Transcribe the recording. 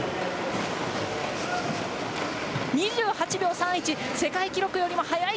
２８秒３１。